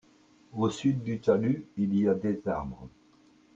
Au sud du talus il y a des arbres.